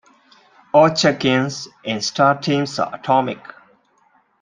All check-ins in StarTeam are atomic.